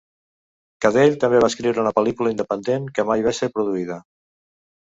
Cadell també va escriure una pel·lícula independent, que mai va ser produïda.